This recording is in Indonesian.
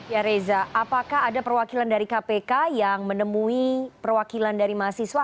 ya reza apakah ada perwakilan dari kpk yang menemui perwakilan dari mahasiswa